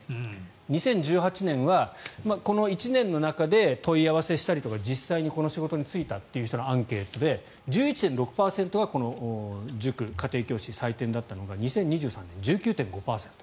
２０１８年はこの１年の中で問い合わせしたりとか実際にこの仕事に就いたという人のアンケートで１１．６％がこの塾、家庭教師採点だったのが２０２３年は１９．５％。